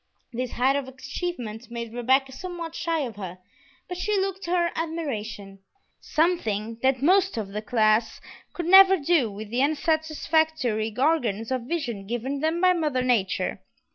This height of achievement made Rebecca somewhat shy of her, but she looked her admiration; something that most of the class could never do with the unsatisfactory organs of vision given them by Mother Nature.